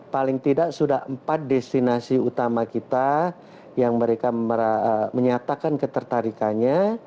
paling tidak sudah empat destinasi utama kita yang mereka menyatakan ketertarikannya